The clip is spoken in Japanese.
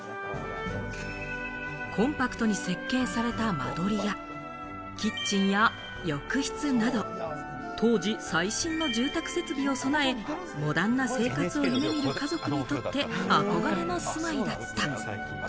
コンパクトに設計された間取りや、キッチンや浴室など、当時、最新の住宅設備を備え、モダンな生活を夢見る家族にとって、憧れの住まいだった。